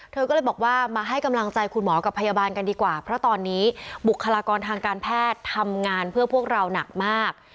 เธอก็เลยบอกว่ามาให้กำลังใจคุณหมอกับพยาบาลกันดีกว่าเพราะตอนนี้บุคลากรทางการแพทย์ทำงานเพื่อพวกเราหนักมาก